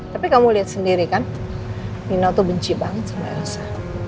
tapi kamu lihat sendiri kan mino tuh benci banget sama elsa